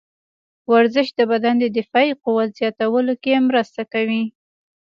ورزش د بدن د دفاعي قوت زیاتولو کې مرسته کوي.